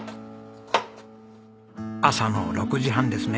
朝の６時半ですね。